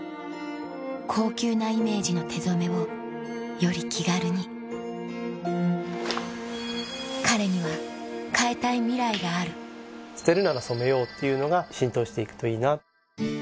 高級なイメージの手染めをより気軽に彼には変えたいミライがある「捨てるなら染めよう」っていうのが浸透して行くといいな。